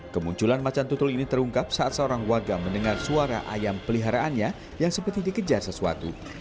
kemunculan macan tutul ini terungkap saat seorang warga mendengar suara ayam peliharaannya yang seperti dikejar sesuatu